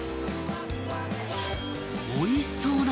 ［おいしそうな］